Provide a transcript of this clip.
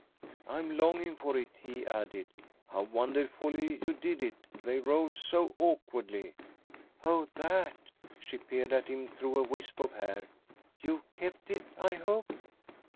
"I'm longing for it," he added. "How wonderfully you did it! They roll so awkwardly " "Oh, that!" She peered at him through a wisp of hair. "You've kept it, I hope."